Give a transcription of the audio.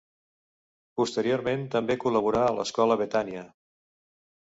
Posteriorment també col·laborà a l'Escola Betània.